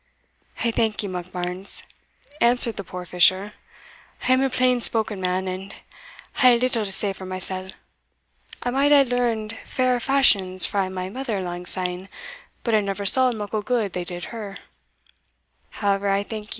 "I thank ye, Monkbarns," answered the poor fisher; "I am a plain spoken man, and hae little to say for mysell; I might hae learned fairer fashions frae my mither lang syne, but I never saw muckle gude they did her; however, I thank ye.